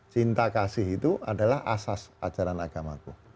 cinta kasih itu adalah asas ajaran agamaku